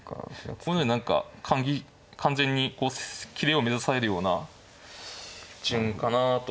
こういうので何か完全に切れを目指されるような順かなという。